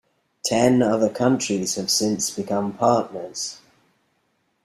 Ten other countries have since become partners.